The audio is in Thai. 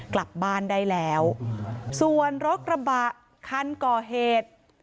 กลับบ้านได้แล้วส่วนรถกระบะคันก่อเหตุ